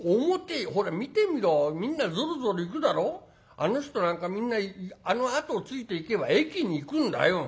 あの人なんかみんなあの後をついていけば駅に行くんだよ。